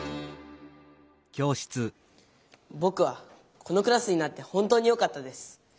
「ぼくはこのクラスになって本当によかったです。